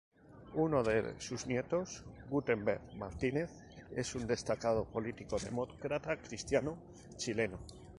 Uno de sus nietos, Gutenberg Martínez, es un destacado político demócrata cristiano chileno.